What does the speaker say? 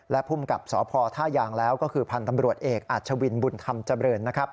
และภูมิกับสพท่ายางแล้วก็คือพันธ์ตำรวจเอกอาชวินบุญธรรมเจริญนะครับ